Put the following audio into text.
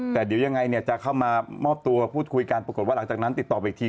แต่เดี๋ยวยังไงเนี่ยจะเข้ามามอบตัวพูดคุยกันปรากฏว่าหลังจากนั้นติดต่อไปอีกที